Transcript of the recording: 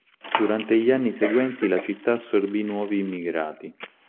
Durante gli anni seguenti la città assorbì nuovi immigrati.